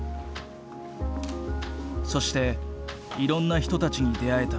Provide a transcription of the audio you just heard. そしていろんな人たちに出会えた。